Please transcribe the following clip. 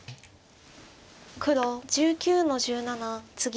黒１９の十七ツギ。